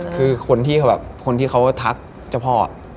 คือคนที่เขาก็ทักเจ้าพ่อ